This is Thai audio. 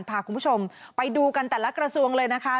พาคุณผู้ชมไปดูกันแต่ละกระสวงวันนี้เลยนะค่ะ